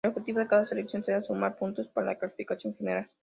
El objetivo de cada selección será sumar puntos para la clasificación general.